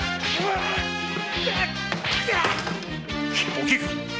おきく！